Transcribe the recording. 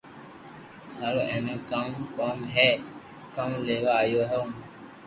ٿارو ايئي ڪاؤ ڪوم ھي ڪاو ليوا آيا ھون